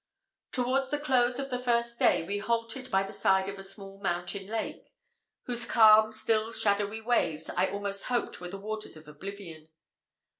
Towards the close of the first day, we halted by the side of a small mountain lake, whose calm, still, shadowy waves, I almost hoped were the waters of oblivion.